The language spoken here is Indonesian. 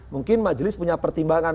mungkin majelis punya pertimbangan